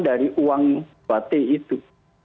dari uang dua t itu